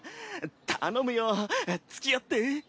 頼むよつきあって！